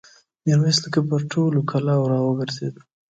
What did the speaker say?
ميرويس نيکه پر ټولو کلاوو را وګرځېد.